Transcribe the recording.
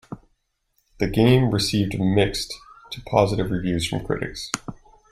The game received mixed to positive reviews from critics.